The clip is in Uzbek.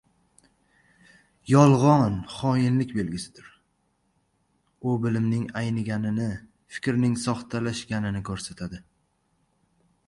Yolg‘on — xoinlik belgisidir. U bilimning ayniganini, fikrning soxtalashganini ko‘rsatadi.